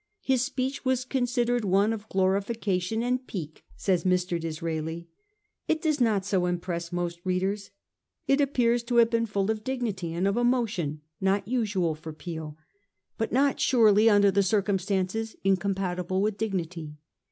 His speech ' was considered one of glorification and pique,' says Mr. Disraeli. It does not so impress most readers. It appears to have been full of dignity, and of emotion, not usual with Peel, 412 A HISTORY OF OUR OWN TIMES. CH. XVI. but not surely under the circumstances incompatible with dignity.